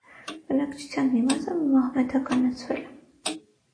Բնակչության մի մասը մահմեդականցվել է։